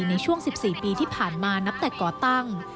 ในช่วง๑๔ปีที่ผ่านมานับแต่ก่อตั้ง